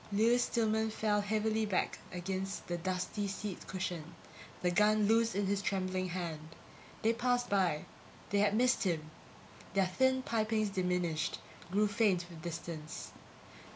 Lewis Stillman fell heavily back against the dusty seat cushion, the gun loose in his trembling hand. They had passed by; they had missed him. Their thin pipings diminished, grew faint with distance.